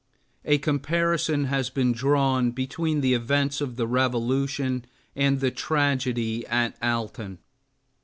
A comparison has been drawn between the events of the Revolution and the tragedy at Alton.